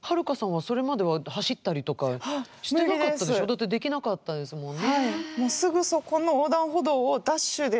だってできなかったですもんね。